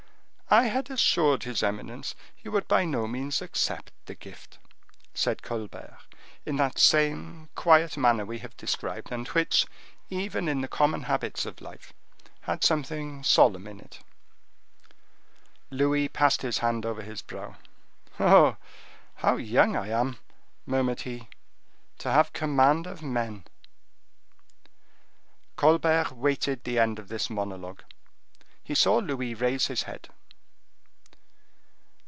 "I had assured his eminence you would by no means accept the gift," said Colbert, in that same quiet manner we have described, and which, even in the common habits of life, had something solemn in it. Louis passed his hand over his brow: "Oh! how young I am," murmured he, "to have command of men." Colbert waited the end of this monologue. He saw Louis raise his head.